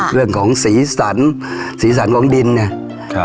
เรื่องของสีสันสีสันของดินเนี่ยครับ